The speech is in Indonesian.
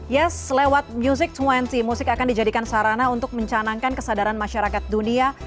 yes lewat music dua puluh musik akan dijadikan sarana untuk mencanangkan kesadaran masyarakat dunia